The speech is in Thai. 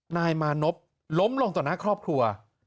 นายมานพล้มลงต่อหน้าครอบครัว